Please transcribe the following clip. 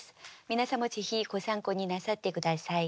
皆さんもぜひご参考になさって下さい。